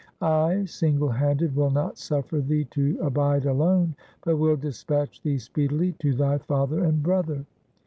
I, single handed, will not suffer thee to abide alone, but will dispatch thee speedily to thy father and brother.